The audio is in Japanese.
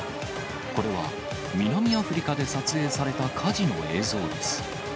これは南アフリカで撮影された火事の映像です。